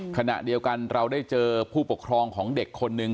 ขณะเดียวกันเราได้เจอผู้ปกครองของเด็กคนหนึ่ง